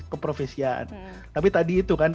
keprofesian tapi tadi itu kan